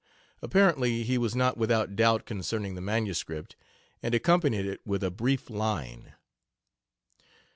Apparently he was not without doubt concerning the manuscript, and accompanied it with a brief line.